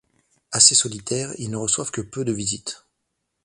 Assez solitaires, ils ne reçoivent que peu de visites.